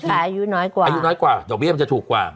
อายุน้อยกว่าอายุน้อยกว่าดอกเบี้ยมันจะถูกกว่า